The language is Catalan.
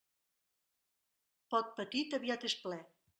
Pot petit aviat és ple.